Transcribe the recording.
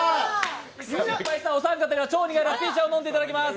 お三方には超苦いラッピー茶を飲んでいただきます。